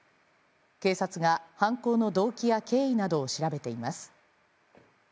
警察が犯行の動機や経緯などを調べています。